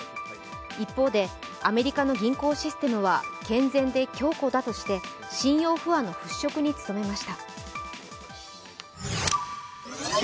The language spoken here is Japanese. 一方で、アメリカの銀行システムは健全で強固だとして信用不安の払拭に努めました。